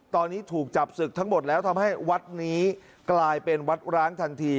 ตอนนี้ถูกจับศึกทั้งหมดแล้วทำให้วัดนี้กลายเป็นวัดร้างทันที